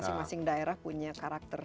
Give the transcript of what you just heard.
masing masing daerah punya karakter